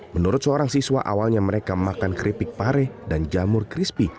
menurut seorang siswa awalnya mereka makan keripik pare dan jamur crispy